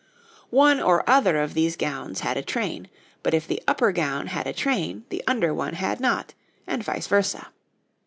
One or other of these gowns had a train, but if the upper gown had a train the under one had not, and vice versâ.